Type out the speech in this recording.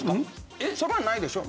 えっそれはないでしょ？